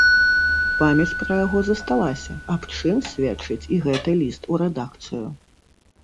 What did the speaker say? Памяць пра яго засталася, аб чым сведчыць і гэты ліст у рэдакцыю.